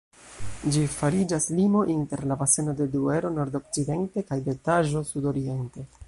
Ĝi fariĝas limo inter la baseno de Duero, nordokcidente, kaj de Taĵo, sudoriente.